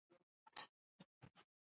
ترموز د خندا شېبې تود ساتي.